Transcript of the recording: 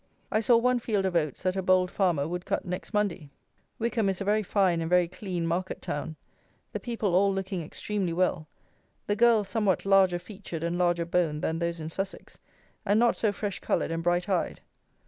I saw one field of oats that a bold farmer would cut next Monday. Wycombe is a very fine and very clean market town; the people all looking extremely well; the girls somewhat larger featured and larger boned than those in Sussex, and not so fresh coloured and bright eyed.